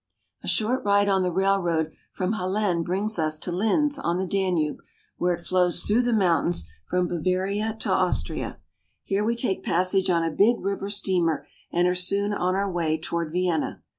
A short ride on the railroad from Hallein brings us to Linz on the Danube, where it flows through the mountains from Bavaria to Austria. Here we take passage on a big river steamer and are soon on our way toward Vienna.